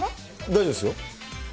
大丈夫ですよ。